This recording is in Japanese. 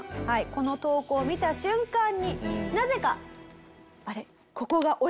この投稿を見た瞬間になぜか。